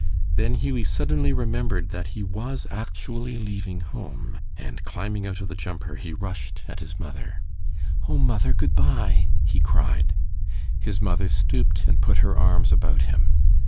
Then Hughie suddenly remembered that he was actually leaving home, and climbing out of the jumper, he rushed at his mother. "Oh, mother, good by!" he cried. His mother stooped and put her arms about him.